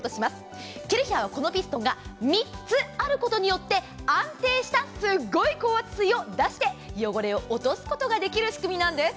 ケルヒャーはこのピストンが３つあることによつて安定したすごい高圧水を出して汚れを落とすことができる仕組みなんです。